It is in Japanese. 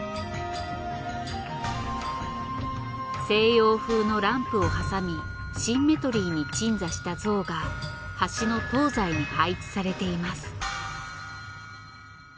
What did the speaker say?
西洋風のランプを挟みシンメトリーに鎮座した像が橋の東西に配置されています。